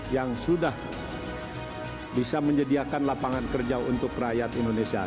yang sudah bisa menyediakan lapangan kerja untuk rakyat indonesia